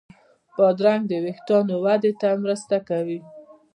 بادرنګ د وېښتانو وده ته مرسته کوي.